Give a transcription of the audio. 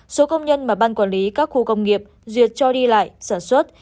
số công nhân mà ban quản lý các khu công nghiệp duyệt cho đi lại sản xuất